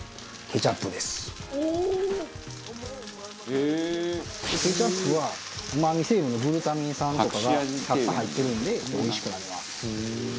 ケチャップはうまみ成分のグルタミン酸とかがたくさん入ってるんでおいしくなります。